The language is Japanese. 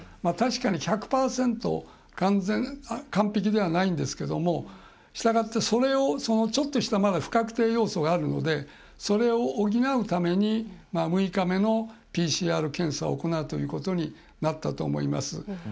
確かに１００％完全、完璧ではないんですけどしたがって、それをちょっとした不確定要素があるのでそれを補うために、６日目のＰＣＲ検査を行うということになったと思います。